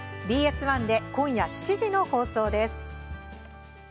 ＢＳ１で今夜７時の放送です。